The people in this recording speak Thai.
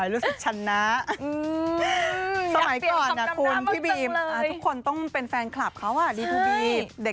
อยากเปลี่ยนคำนำหน้ามากจังเลยสมัยก่อนคุณพี่บีมทุกคนต้องเป็นแฟนคลับเขาอ่ะดีพูบีม